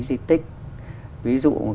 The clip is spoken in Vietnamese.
di tích ví dụ như là